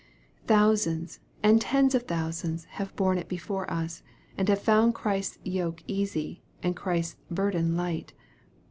Thou sands and tens of thousands have borne it before us, and have found Christ's yoke easy, and Christ's burden light.